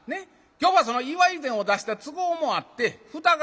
今日はその祝い膳を出した都合もあって蓋が開いてたんですな。